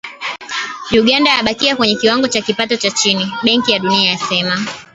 "Uganda yabakia kwenye kiwango cha kipato cha chini", Benki ya Dunia yasema.